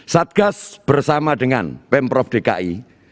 satgas bersama dengan pemprov dki